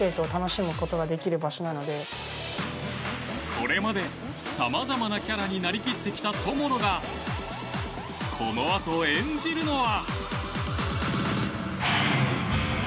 これまで様々なキャラになり切ってきた友野がこのあと演じるのは。